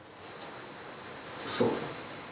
そう。